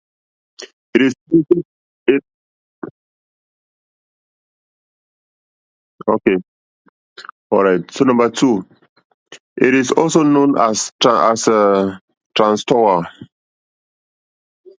It is also known as Transtower.